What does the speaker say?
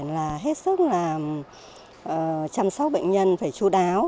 là hết sức là chăm sóc bệnh nhân phải chú đáo